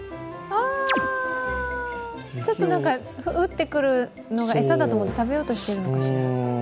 ちょっと降ってくるのが餌だと思って食べようとしてるのかしら？